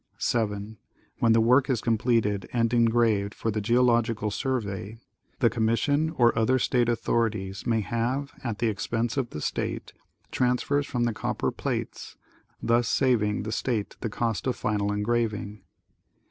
7. When the work is completed and engraved for the Geologi cal Survey, the Commission, or other State authorities, may have, at the expense of the State, transfers from the copper plates, thus saying the State the cost of final engraving.